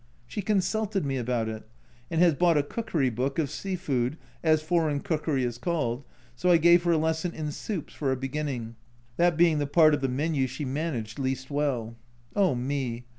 She consulted me about it, and has bought a cookery book of " sea food," as foreign cookery is called, so I gave her a lesson in soups for a beginning, that being the part of the menu she managed least well. Oh me